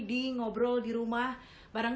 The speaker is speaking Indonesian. di ngobrol di rumah bareng